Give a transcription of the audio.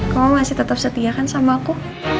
kamu masih tetap setia kan sama aku